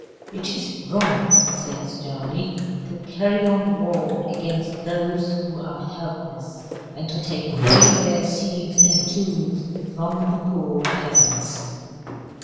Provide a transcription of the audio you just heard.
"It is wrong," he said, sternly, "to carry on war against those who are helpless, and to take away their seeds and tools from the poor peasants."